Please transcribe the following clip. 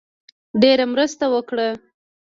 ډېره مرسته وکړه.